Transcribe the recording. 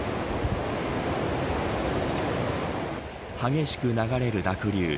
激しく流れる濁流。